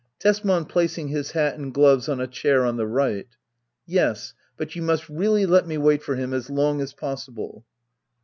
Tesman. [Placing his hat and gloves on a chair on the right,'] Yes, but you must really let me wait for him as long as possible.